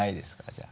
じゃあ。